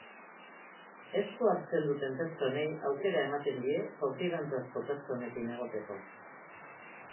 Esku hartzen duten pertsonei aukera ematen die konfidantzazko pertsonekin egoteko